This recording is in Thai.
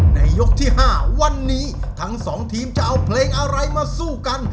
ยกที่๕วันนี้ทั้งสองทีมจะเอาเพลงอะไรมาสู้กัน